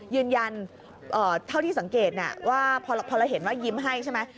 ยืนยันเท่าที่สังเกตว่าพอเราเห็นว่ายิ้มให้ใช่ไหม